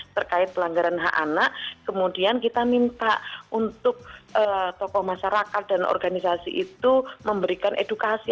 terkait pelanggaran hak anak kemudian kita minta untuk tokoh masyarakat dan organisasi itu memberikan edukasi